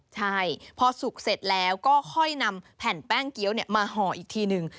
ใช่พอสุกเสร็จแล้วก็ค่อยนำแผ่นแป้งเกี้ยวมาห่ออีกทีนึง